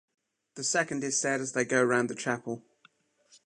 The second is said as they go round the chapel.